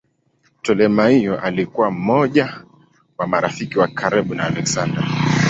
Ptolemaio alikuwa mmoja wa marafiki wa karibu wa Aleksander.